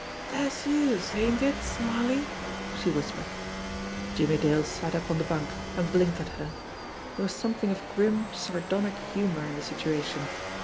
"Dat's youse, ain't it, Smarly?" she whispered. Jimmie Dale sat up on the bunk, and blinked at her. There was something of grim, sardonic humour in the situation.